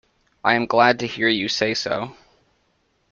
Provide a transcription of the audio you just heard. I am glad to hear you say so.